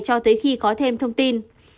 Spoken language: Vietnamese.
cho tới khi có thêm thông tin